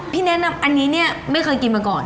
แนะนำอันนี้เนี่ยไม่เคยกินมาก่อน